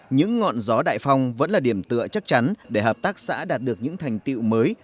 những ngọn gió đại phong vẫn là điểm tựa chắc chắn để hợp tác xã đạt được những thành tiệu mới